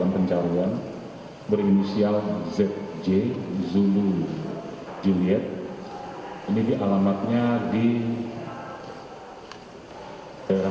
terima kasih mak cika